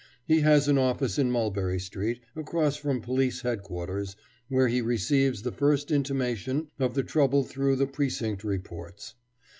He has an office in Mulberry Street, across from Police Headquarters, where he receives the first intimation of the trouble through the precinct reports.